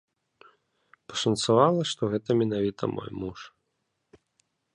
Пашанцавала, што гэта менавіта мой муж.